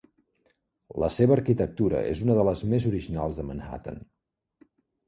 La seva arquitectura és una de les més originals de Manhattan.